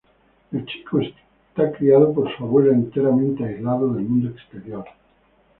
El chico es criado por su abuela enteramente aislado del mundo exterior.